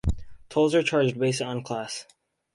Tolls are charged based on class.